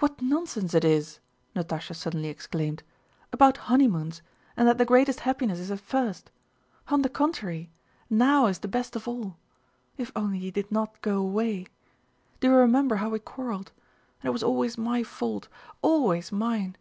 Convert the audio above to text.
"What nonsense it is," Natásha suddenly exclaimed, "about honeymoons, and that the greatest happiness is at first! On the contrary, now is the best of all. If only you did not go away! Do you remember how we quarreled? And it was always my fault. Always mine.